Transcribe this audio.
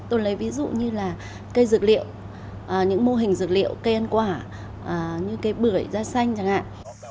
tôi lấy ví dụ như là cây dược liệu những mô hình dược liệu cây ăn quả như cây bưởi da xanh chẳng hạn